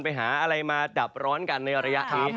ไปหาอะไรมาดับร้อนกันในระยะนี้